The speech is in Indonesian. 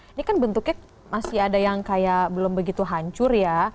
ini kan bentuknya masih ada yang kayak belum begitu hancur ya